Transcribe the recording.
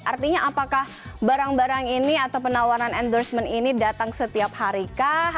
artinya apakah barang barang ini atau penawaran endorsement ini datang setiap hari kah